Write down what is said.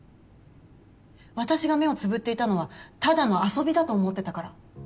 私が目をつぶっていたのはただの遊びだと思ってたから。